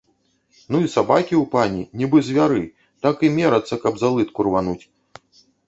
Ну і сабакі ў пані, нібы звяры, так і мерацца, каб за лытку рвануць.